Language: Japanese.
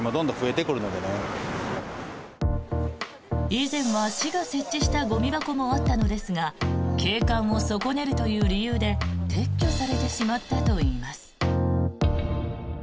以前は市が設置したゴミ箱もあったのですが景観を損ねるという理由で撤去されてしまったといいます。